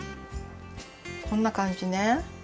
こんなかんじね。